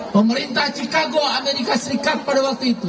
pemerintah chicago amerika serikat pada waktu itu